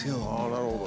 なるほど。